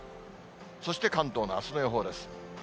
そして関東のあすの予報です。